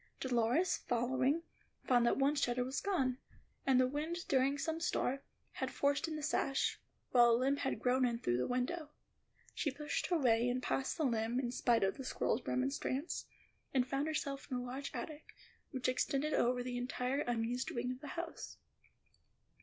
Dolores, following, found that one shutter was gone, and that the wind, during some storm, had forced in the sash, while a limb had grown in through the window. She pushed her way in past the limb, in spite of the squirrel's remonstrance, and found herself in a large attic, which extended over the entire unused wing of the house.